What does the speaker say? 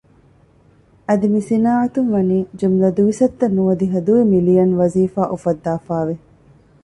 އަދި މި ޞިނާޢަތުން ވަނީ ޖުމުލަ ދުވިސައްތަ ނުވަދިހަ ދުވި މިލިއަން ވަޒީފާ އުފައްދާފައި ވެ